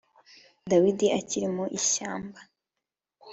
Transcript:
Dawidi akiri mu ishyamba